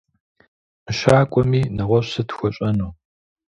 Мыщакӏуэми, нэгъуэщӏ сыт хуэщӏэну?